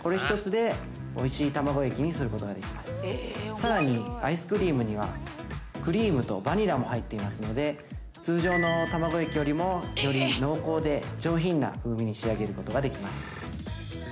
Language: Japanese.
さらにアイスクリームにはクリームとバニラも入っていますので通常の卵液よりもより濃厚で上品な風味に仕上げることができます。